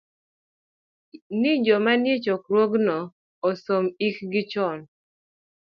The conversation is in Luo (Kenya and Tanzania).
ni joma nie chokruogno osom, ikgi chon.